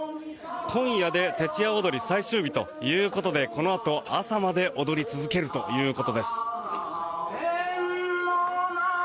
今夜で徹夜おどり、最終日ということでこのあと朝まで踊り続けるということです。